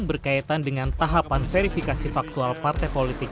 berkaitan dengan tahapan verifikasi faktual partai politik